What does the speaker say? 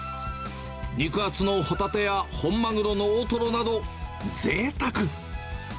肉厚のホタテや本マグロの大トロなど、ぜいたく。